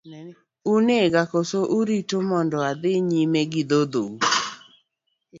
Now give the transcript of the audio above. Unega kose urita mondo adhi nyime gi dhodhou.